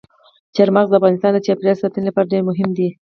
چار مغز د افغانستان د چاپیریال ساتنې لپاره ډېر مهم دي.